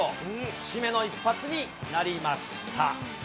節目の一発になりました。